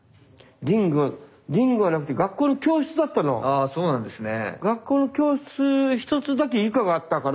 ああそうなんですね。